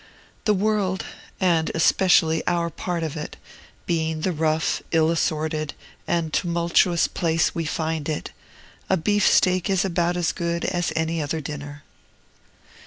The world, and especially our part of it, being the rough, ill assorted, and tumultuous place we find it, a beefsteak is about as good as any other dinner.